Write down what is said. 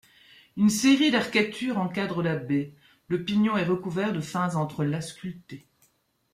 Une série d'arcatures encadre la baie, le pignon est recouvert de fins entrelacs sculptés.